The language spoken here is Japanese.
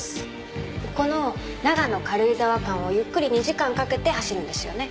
この長野軽井沢間をゆっくり２時間かけて走るんですよね？